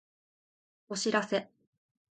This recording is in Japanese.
お知らせ